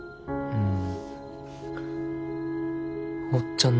うん。